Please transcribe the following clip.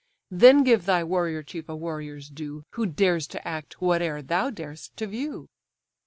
Then give thy warrior chief a warrior's due, Who dares to act whate'er thou dar'st to view."